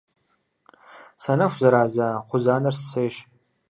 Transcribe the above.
Санэху зэраза кхъузанэр сысейщ.